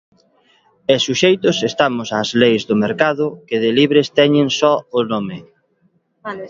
E suxeitos estamos ás leis do mercado que de libres teñen só o nome.